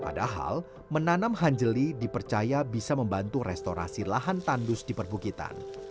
padahal menanam hanjeli dipercaya bisa membantu restorasi lahan tandus di perbukitan